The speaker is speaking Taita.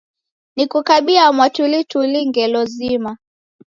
Nikukabia mwatulituli ngelo zima